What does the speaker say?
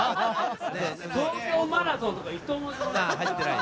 東京マラソンとか１文字もない。